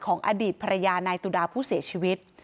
อดีตภรรยานายตุดาผู้เสียชีวิต